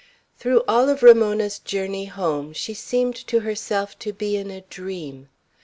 Through all of Ramona's journey home she seemed to herself to be in a dream.